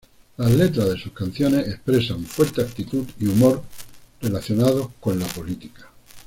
Las letras de sus canciones expresan fuerte actitud y humor relacionados con la política.